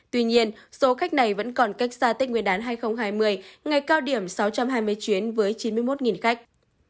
tuy nhiên số khách này vẫn còn cách xa tết nguyên đán hai nghìn hai mươi ngày cao điểm sáu trăm hai mươi chuyến với chín mươi một khách